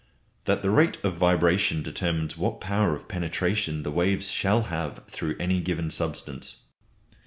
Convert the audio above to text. That the rate of vibration determines what power of penetration the waves shall have through any given substance.